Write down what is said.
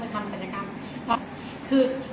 แสนกรรมว่าเป็นต้นของการที่เล่าทันค่ะ